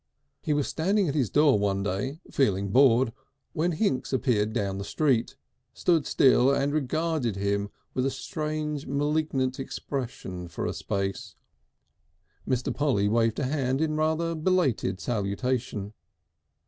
He was standing at his door one day, feeling bored, when Hinks appeared down the street, stood still and regarded him with a strange malignant expression for a space. Mr. Polly waved a hand in a rather belated salutation.